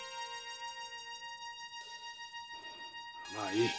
まあいい。